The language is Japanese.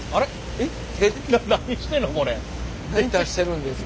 何出してるんですか？